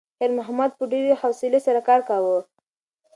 خیر محمد په ډېرې حوصلې سره کار کاوه.